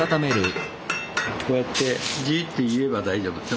こうやってジーッて言えば大丈夫。